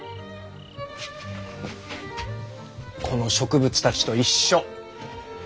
この植物たちと一緒。